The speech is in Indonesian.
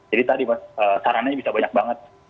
jadi tadi mas sarananya bisa banyak banget